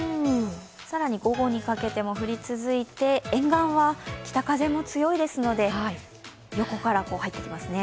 更に午後にかけても降り続いて沿岸は北風も強いですので横から入ってきますね。